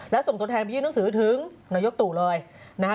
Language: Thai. และส่งตัวแทนไปยื่นหนังสือถึงนายกตู่เลยนะฮะ